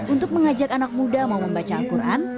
untuk mengajak anak muda mau membaca al quran